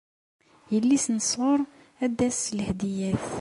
Yelli-s n Ṣur ad d-tas s lehdiyat.